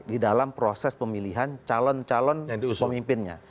di dalam proses pemilihan calon calon pemimpinnya